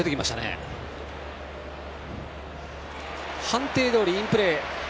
判定どおりインプレー！